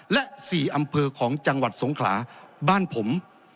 และ๔อำเภอของจังหวัดสงขลาบ้านผม